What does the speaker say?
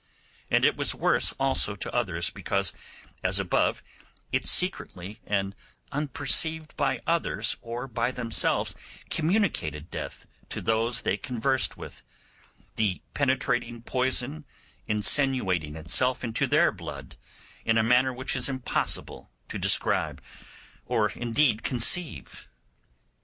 And it was worse also to others, because, as above, it secretly and unperceived by others or by themselves, communicated death to those they conversed with, the penetrating poison insinuating itself into their blood in a manner which it is impossible to describe, or indeed conceive.